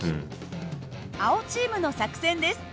青チームの作戦です。